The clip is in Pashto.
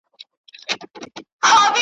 د هر زور له پاسه پورته بل قدرت سته `